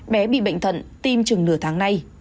bé bị bệnh thận tim trừng nửa tháng nay